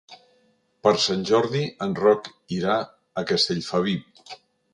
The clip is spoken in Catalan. Per Sant Jordi en Roc irà a Castellfabib.